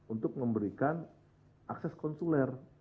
untuk memberikan akses konsuler